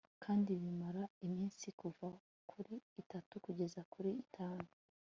kandi bimara iminsi kuva kuri itatu kugeza kuri itanu